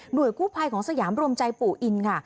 โดยกู้ภัยของสยามรวมใจปู่อินค่ะ